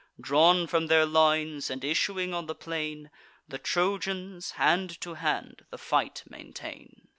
Drawn from their lines, and issuing on the plain, The Trojans hand to hand the fight maintain.